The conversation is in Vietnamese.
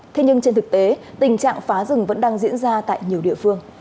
thế nhưng trên thực tế tình trạng phá rừng vẫn đang diễn ra tại nhiều địa phương